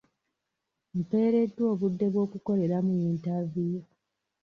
Mpeereddwa obudde bw'okukoleramu yintaviyu.